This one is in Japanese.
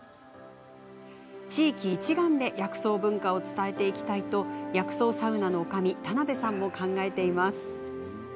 地域一丸で薬草文化を伝えていきたいと薬草サウナのおかみ田邉さんも考えています。